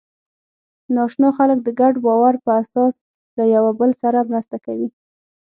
ناآشنا خلک د ګډ باور په اساس له یوه بل سره مرسته کوي.